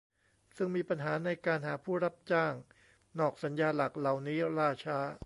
ซึ่งมีปัญหาในการหาผู้รับจ้างงานนอกสัญญาหลักเหล่านี้ล่าช้า